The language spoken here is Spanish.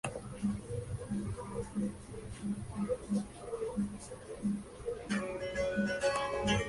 Muchos son críticas del clero y los terratenientes.